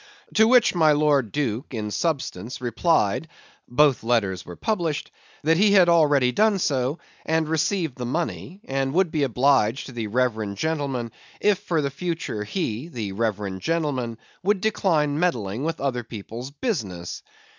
To which my Lord Duke in substance replied (both letters were published) that he had already done so, and received the money, and would be obliged to the reverend gentleman if for the future he (the reverend gentleman) would decline meddling with other people's business.